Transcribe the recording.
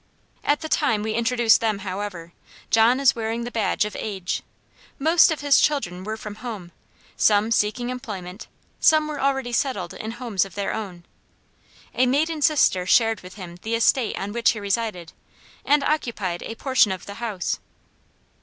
At the time we introduce them, however, John is wearing the badge of age. Most of his children were from home; some seeking employment; some were already settled in homes of their own. A maiden sister shared with him the estate on which he resided, and occupied a portion of the house.